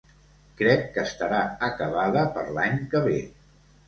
Crec que estarà acabada per l'any que ve.